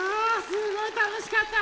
すごいたのしかった！